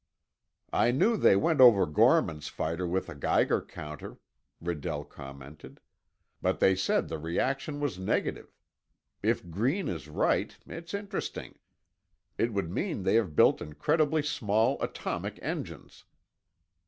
"I knew they went over Gorman's fighter with a Geiger counter," Redell commented. "But they said the reaction was negative. If Green is right, it's interesting. It would mean they have built incredibly small atomic engines.